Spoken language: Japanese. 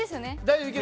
大丈夫。